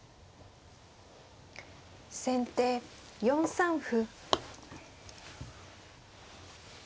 先手４三歩。